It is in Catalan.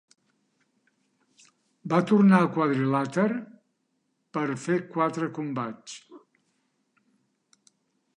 Va tornar al quadrilàter per fer quatre combats.